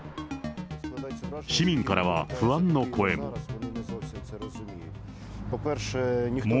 市民からは、不安の声も。